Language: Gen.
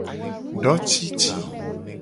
Do cici :